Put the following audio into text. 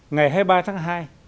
ngày hai mươi ba tháng hai